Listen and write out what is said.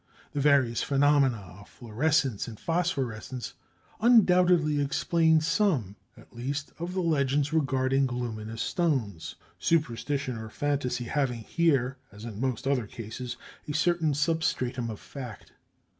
] The various phenomena of fluorescence and phosphorescence undoubtedly explain some at least of the legends regarding luminous stones, superstition or fantasy having here as in most other cases a certain substratum of fact.